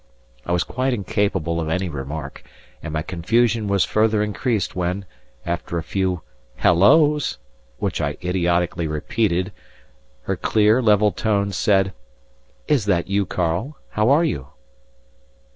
I was quite incapable of any remark, and my confusion was further increased when, after a few "Hello's," which I idiotically repeated, her clear, level tones said: "Is that you, Karl? How are you?"